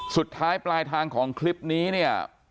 สุดท้ายปลายทางของคลิปนี้เนี่ย